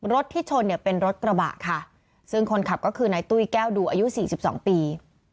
รถที่ชนเนี่ยเป็นรถกระบะค่ะซึ่งคนขับก็คือนายตุ้ยแก้วดูอายุสี่สิบสองปี